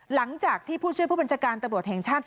หลังจากที่ผู้ช่วยผู้บัญชาการตำรวจแห่งชาติ